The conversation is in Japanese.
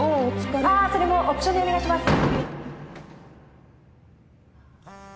あそれもオプションでお願いします。